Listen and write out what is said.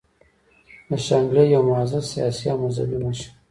د شانګلې يو معزز سياسي او مذهبي مشر